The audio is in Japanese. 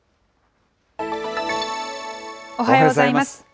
おはようございます。